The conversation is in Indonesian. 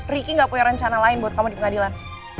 ricky gak punya rencana lain buat kamu di pengadilan